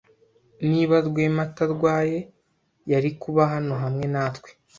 Niba Rwema atarwaye, yari kuba hano hamwe natwe.